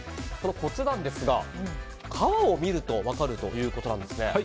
コツなんですが、皮を見ると分かるということですね。